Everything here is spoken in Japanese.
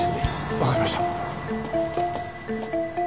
わかりました。